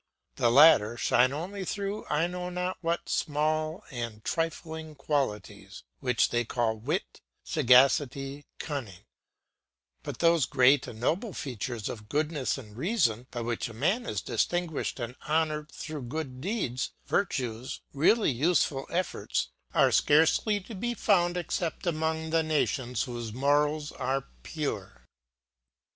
The latter shine only through I know not what small and trifling qualities, which they call wit, sagacity, cunning; but those great and noble features of goodness and reason, by which a man is distinguished and honoured through good deeds, virtues, really useful efforts, are scarcely to be found except among the nations whose morals are pure.